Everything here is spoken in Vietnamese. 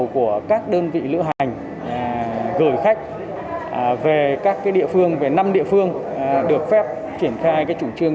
của các đơn vị lựa hành gửi khách về các cái địa phương về năm địa phương được phép triển khai cái chủ trương